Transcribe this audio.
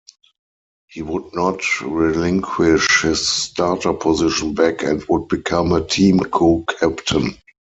He would not relinquish his starter position back and would become a team co-captain.